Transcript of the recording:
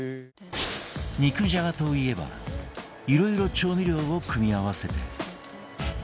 肉じゃがといえばいろいろ調味料を組み合わせて